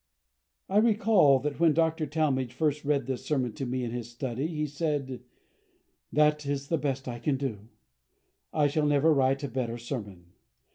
I recall that when Dr. Talmage first read this sermon to me in his study, he said: "That is the best I can do; I shall never write a better sermon."